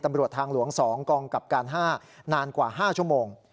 ตำรวจทางหลวง๒กองกับการ๕นานกว่า๕ชั่วโมง